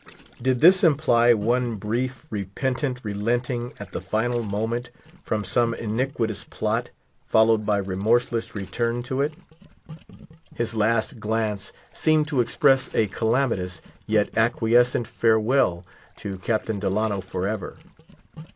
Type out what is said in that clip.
Did this imply one brief, repentant relenting at the final moment, from some iniquitous plot, followed by remorseless return to it? His last glance seemed to express a calamitous, yet acquiescent farewell to Captain Delano forever.